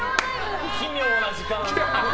奇妙な時間。